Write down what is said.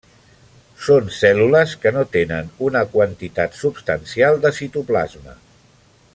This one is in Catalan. Són cèl·lules que no tenen una quantitat substancial de citoplasma.